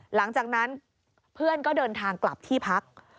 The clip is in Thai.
หลังจากนั้นเพื่อนก็เดินทางกลับที่พัก